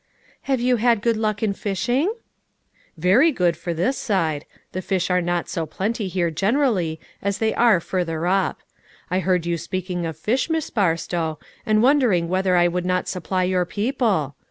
" Have you had good luck in fishing ?"" Very good for this side ; the fish are not so plenty here generally as they are further up. I heard you speaking of fish, Miss Barstow, and wondering whether I would not supply your people